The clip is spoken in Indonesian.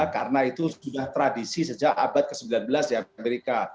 karena itu sudah tradisi sejak abad ke sembilan belas di amerika